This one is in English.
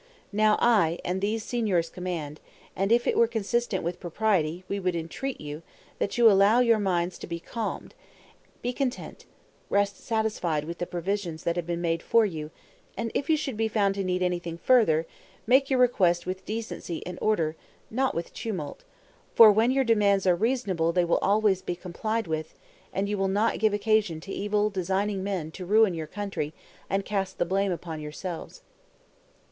Now, I, and these Signors command, and if it were consistent with propriety, we would entreat that you allow your minds to be calmed; be content, rest satisfied with the provisions that have been made for you; and if you should be found to need anything further, make your request with decency and order, and not with tumult; for when your demands are reasonable they will always be complied with, and you will not give occasion to evil designing men to ruin your country and cast the blame upon yourselves."